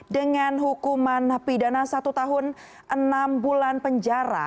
dengan hukuman pidana satu tahun enam bulan penjara